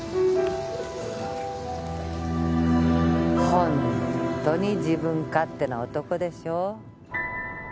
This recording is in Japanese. ホントに自分勝手な男でしょ？